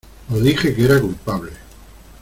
Os dije que era culpable.